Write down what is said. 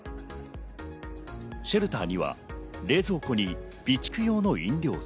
シェルターには冷蔵庫に備蓄用の飲料水。